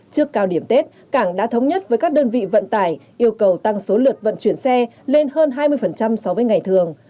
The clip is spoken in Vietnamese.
trước cao điểm tết cảng đã thống nhất với các đơn vị vận tải yêu cầu tăng số lượt vận chuyển xe lên hơn hai mươi so với ngày thường